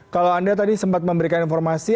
kalau anda tadi sempat memberikan informasi